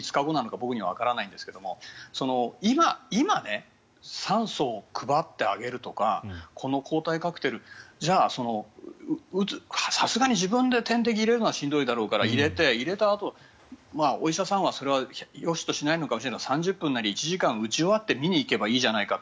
僕にはわかりませんが今、酸素を配ってあげるとか抗体カクテル、じゃあ、さすがに自分で点滴を入れるのはしんどいだろうから入れて入れたあと、お医者さんはよしとしないかもしれないけれど３０分なり１時間なり打ち終わって見に行けばいいじゃないかと。